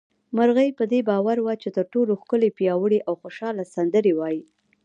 مرغۍ په دې باور وه چې تر ټولو ښکلې، پياوړې او خوشحاله سندرې وايي